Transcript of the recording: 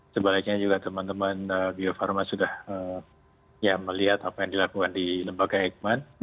sebaliknya juga teman teman biofarma sudah melihat apa yang dilakukan di lembaga ekman